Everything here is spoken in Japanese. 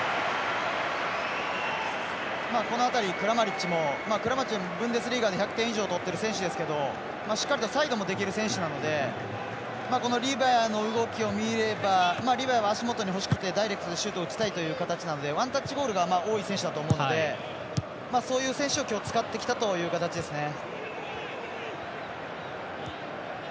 この辺りクラマリッチも１００点以上取っている選手ですけどしっかりとサイドもできる選手なのでリバヤの動きを見ればリバヤは足元に欲しくてダイレクトでシュート打ちたい形なのでワンタッチゴールが多い選手だと思うのでそういう選手を今日、使ってきたという形ですね。